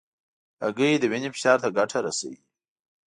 هګۍ د وینې فشار ته ګټه رسوي.